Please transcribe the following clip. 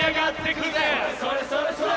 それそれそれそれ！